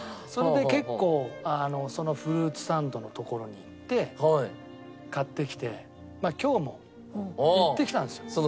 それで結構そのフルーツサンドの所に行って買ってきて今日も行ってきたんですよ。